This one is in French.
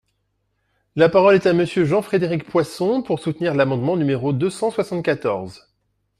La parole est à Monsieur Jean-Frédéric Poisson, pour soutenir l’amendement numéro deux cent soixante-quatorze.